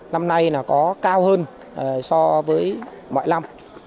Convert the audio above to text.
năm nay có cao hơn so với mọi năm